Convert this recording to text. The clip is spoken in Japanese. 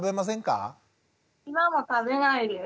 今も食べないです。